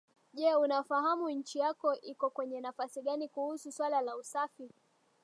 Je unafahamu nchi yako iko kwenye nafasi gani kuhusu suala la usafi